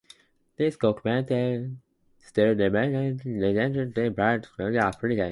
This document still remains legally valid and applicable.